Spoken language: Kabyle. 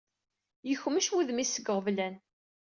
Yekmec wudem-is seg yiɣeblan.